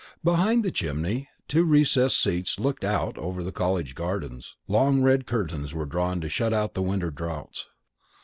Behind the chimney two recessed seats looked out over the college gardens; long red curtains were drawn to shut out the winter draughts.